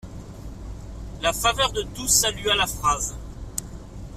La faveur de tous salua la phrase.